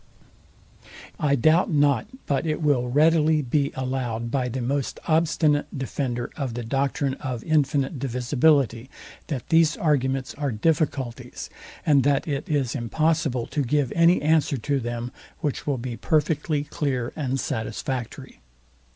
I doubt not but, it will readily be allowed by the most obstinate defender of the doctrine of infinite divisibility, that these arguments are difficulties, and that it is impossible to give any answer to them which will be perfectly clear and satisfactory.